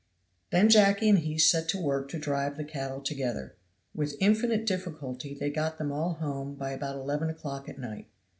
Then Jacky and he set to work to drive the cattle together. With infinite difficulty they got them all home by about eleven o'clock at night.